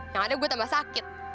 yang ada gue tambah sakit